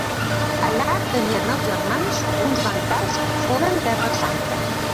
Allà tenien els germans uns bancals que foren terra santa.